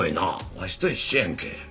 わしと一緒やんけ。